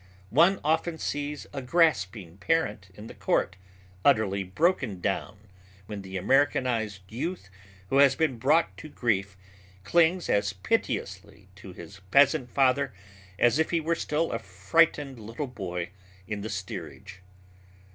One often sees a grasping parent in the court, utterly broken down when the Americanized youth who has been brought to grief clings as piteously to his peasant father as if he were still a frightened little boy in the steerage.